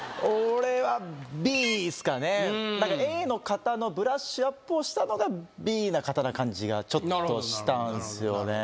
俺はＢですかねなんかＡの方のブラッシュアップをしたのがＢな方な感じがちょっとしたんですよね